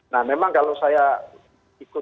nah memang kalau saya ikut